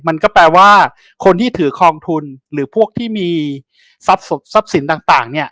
มันก็แปลว่าคนที่ถือคลองทุนหรือพวกที่มีทรัพย์สินต่างเนี่ย